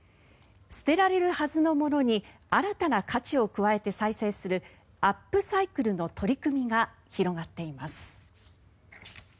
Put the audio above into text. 捨てられるはずのものに新たな価値を加えて再生するアップサイクルの取り組みが広がっています。